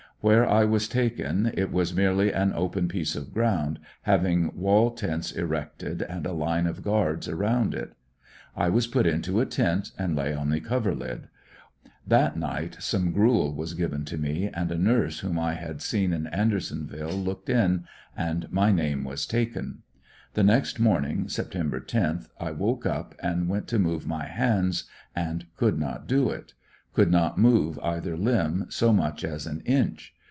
Where I was taken it was merely an open piece of ground, having wall tents erected and a line of guards around it. I was put into a tent and lay on the coverlid. That night some gruel was given to me, and a nurse whom I had seen in Andersonville looked m, and my name was taken. The next morn ing, September 10th, I woke up and went to move my hands, and could not do it; could not move either limb so much as an inch.